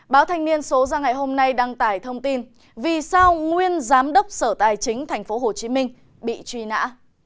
báo thanh niên số ra ngày hôm nay đăng tải thông tin vì sao nguyên giám đốc sở tài chính tp hcm bị truy nã